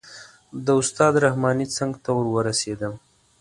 د استاد رحماني څنګ ته ور ورسېدم.